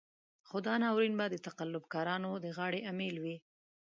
خو دا ناورين به د تقلب کارانو د غاړې امېل وي.